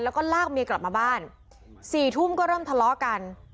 แล้วก็ลากเมียกลับมาบ้าน๔ทุ่มก็เริ่มทะเลาะกัน